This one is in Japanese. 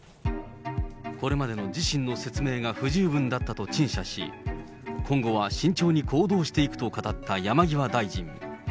これまでの自身の説明が不十分だったと陳謝し、今後は慎重に行動していくと語った山際大臣。